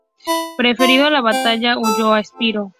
Perdiendo la batalla, huyó a Epiro.